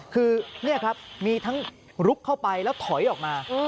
คือนี่ครับมีทั้งลุกเข้าไปแล้วถอยออกมา